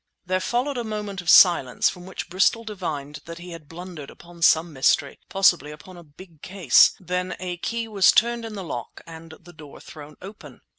There followed a moment of silence, from which Bristol divined that he had blundered upon some mystery, possibly upon a big case; then a key was turned in the lock and the door thrown open.